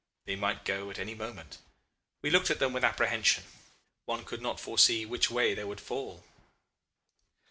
They might go at any moment. We looked at them with apprehension. One could not foresee which way they would fall.